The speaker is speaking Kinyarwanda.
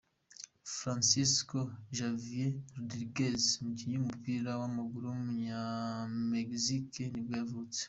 Francisco Javier Rodríguez, umukinnyi w’umupira w’amaguru w’umunyamegizike nibwo yavutse.